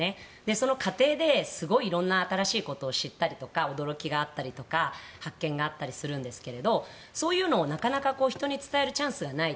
その過程ですごい色んな新しいことを知ったりとか驚きがあったりとか発見があったりするんですがそういうのをなかなか人に伝えるチャンスがない。